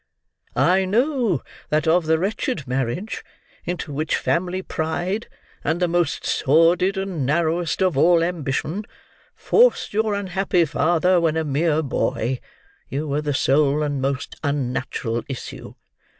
I know that of the wretched marriage, into which family pride, and the most sordid and narrowest of all ambition, forced your unhappy father when a mere boy, you were the sole and most unnatural issue."